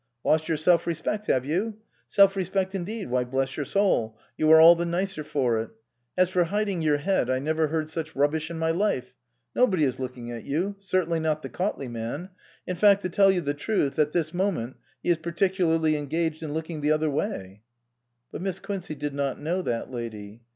Lost your self respect, have you? Self respect, indeed, why bless your soul, you are all the nicer for it. As for hiding your head I never heard such rubbish in my life. Nobody is looking at you certainly not the Cautley man. In fact, to tell you the truth, at this moment he is particularly engaged in look ing the other way." But Miss Quincey did not know that lady.